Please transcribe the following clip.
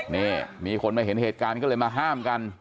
นี่มีคนมาเห็นเหตุการณ์ก็เลยมาห้ามกัน